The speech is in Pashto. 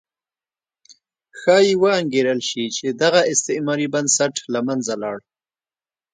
ښایي وانګېرل شي چې دغه استعماري بنسټ له منځه لاړ.